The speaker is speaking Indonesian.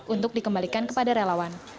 untuk dikembalikan kepada relawan